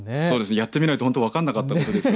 やってみないと本当分からなかったことですね。